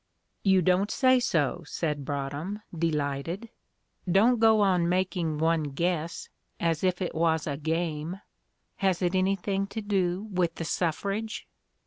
"You don't say so," said Broadhem, delighted; "don't go on making one guess as if it was a game. Has it anything to do with the suffrage?"